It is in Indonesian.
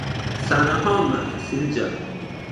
Salam hormat, Silja.